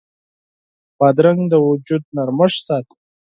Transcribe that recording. بادرنګ د وجود نرمښت ساتي.